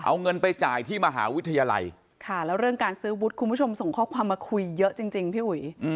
เอาเงินไปจ่ายที่มหาวิทยาลัยค่ะแล้วเรื่องการซื้อวุฒิคุณผู้ชมส่งข้อความมาคุยเยอะจริงพี่อุ๋ย